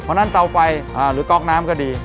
เพราะฉะนั้นเตาไฟหรือต๊อกน้ำก็ดี